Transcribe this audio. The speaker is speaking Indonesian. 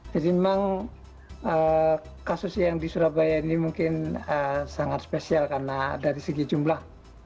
jadi memang kasus yang di surabaya ini mungkin sangat spesial karena dari segi jumlah